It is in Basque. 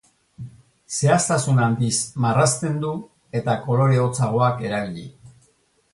Zehaztasun handiz marrazten du eta kolore hotzagoak erabili.